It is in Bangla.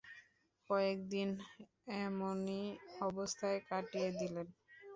কয়েকদিন এমনি অবস্থায় কাটিয়ে দিলেন।